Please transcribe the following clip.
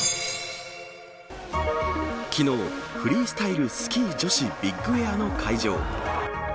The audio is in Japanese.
きのう、フリースタイルスキー女子ビッグエアの会場。